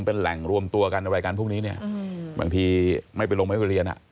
เป็นแหล่งรวมตัวกันอะไรกันพวกนี้เนี่ยบางทีไม่ไปลงไม่ไปเรียน